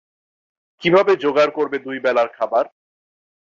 কিভাবে জোগাড় করবে দুই বেলার খাবার।